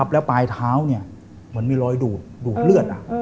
แล้วปลายเท้าเหมือนมีรอยดูดเลือด